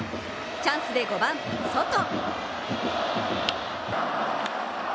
チャンスで５番・ソト。